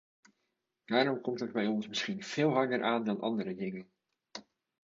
Daarom komt dat bij ons misschien veel harder aan dan andere dingen.